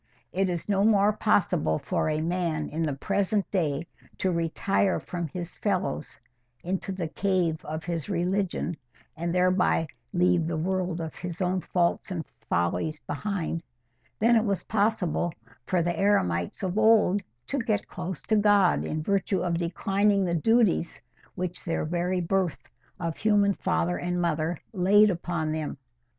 It is no more possible for a man in the present day to retire from his fellows into the cave of his religion, and thereby leave the world of his own faults and follies behind, than it was possible for the eremites of old to get close to God in virtue of declining the duties which their very birth of human father and mother laid upon them.